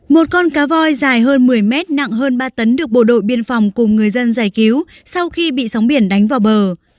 một con cá voi dài hơn một mươi mét nặng hơn ba tấn được bộ đội biên phòng cùng người dân giải cứu sau khi bị sóng biển đánh vào bờ